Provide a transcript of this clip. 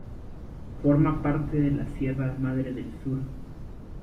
Forma parte de la Sierra Madre del Sur.